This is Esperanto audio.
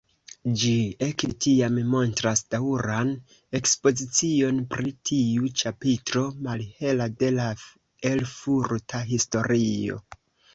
Ĝi ekde tiam montras daŭran ekspozicion pri tiu ĉapitro malhela de la erfurta historio.